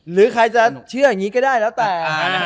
หรือใครจะเชื่ออย่างนี้ก็ได้แล้วแต่